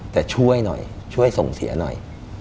แต่ช่วยหน่อยช่วยส่งเสียหน่อย